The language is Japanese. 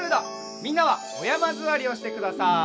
みんなはおやまずわりをしてください。